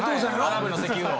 アラブの石油王。